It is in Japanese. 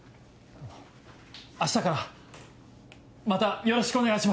明日からまたよろしくお願いします！